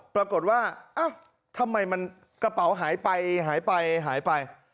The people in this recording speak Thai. ปรากฏว่าทำไมมันกระเป๋าหายไปหายไป